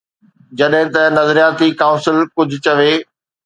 جڏهن ته نظرياتي ڪائونسل ڪجهه چوي.